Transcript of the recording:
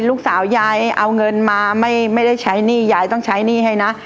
ยายเอาเงินมาไม่ได้ใช้หนี้ยายต้องใช้หนี้ให้นะ